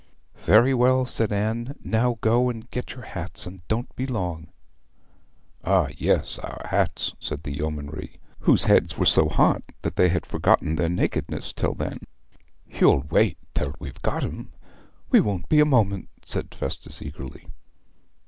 'Very well,' said Anne. 'Now go and get your hats, and don't be long.' 'Ah, yes; our hats,' said the yeomanry, whose heads were so hot that they had forgotten their nakedness till then. 'You'll wait till we've got 'em we won't be a moment,' said Festus eagerly.